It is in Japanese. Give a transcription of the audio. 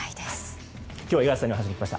今日は五十嵐さんにお話を聞きました。